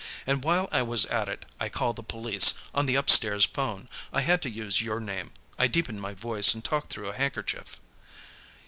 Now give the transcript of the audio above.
And while I was at it, I called the police, on the upstairs phone. I had to use your name; I deepened my voice and talked through a handkerchief."